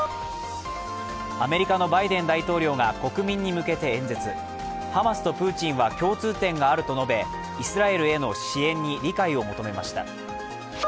アメリカのバイデン大統領が国民に向けて演説ハマスとプーチンは共通点があると述べイスラエルへの支援に理解を求めました。